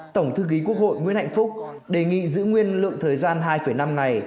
tổng thư ký quốc hội nguyễn hạnh phúc đề nghị giữ nguyên lượng thời gian hai năm ngày